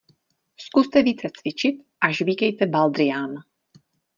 Zkuste více cvičit a žvýkejte baldrián.